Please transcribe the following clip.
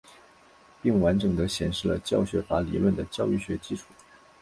并完整地显示了教学法理论的教育学基础。